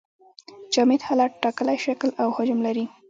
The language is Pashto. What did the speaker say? جامد حالت ټاکلی شکل او حجم لري.